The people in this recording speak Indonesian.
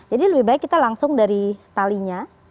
jadi lebih baik kita langsung dari talinya